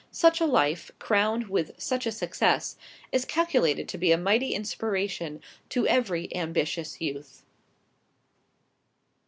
Such a life, crowned with such a success, is calculated to be a mighty inspiration to every ambitious youth.